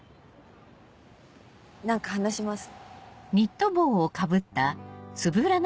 何か話します？